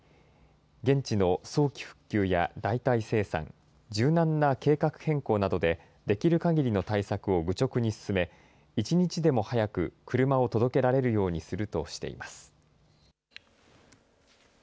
現地の早期復旧や代替生産、柔軟な計画変更などで、できるかぎりの対策を愚直に進め、一日でも早く車を届けられるようにするとしています。